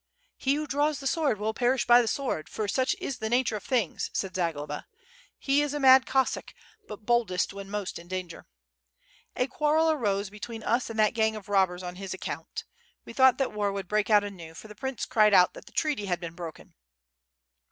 "He who draM's the sword will perish by the sword, for such is the nature of things," said Zagloba, "he is a mad Cossack, but boldest when most in danger. A quarrel arose between us and that gang of robbers on his account. We thought that war would break out anew, for the prince cried out that the treaty had been broken.